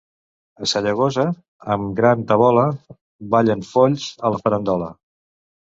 A Sallagosa, amb gran tabola, ballen folls, a la farandola.